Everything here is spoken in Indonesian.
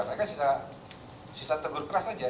mereka sisa tegur keras saja